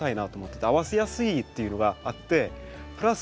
合わせやすいっていうのがあってプラス